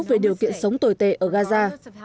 về điều kiện sống tồi tệ ở gaza